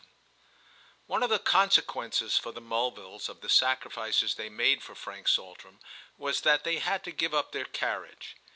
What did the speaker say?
VII ONE of the consequences, for the Mulvilles, of the sacrifices they made for Frank Saltram was that they had to give up their carriage.